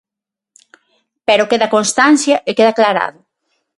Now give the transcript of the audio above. Pero queda constancia e queda aclarado.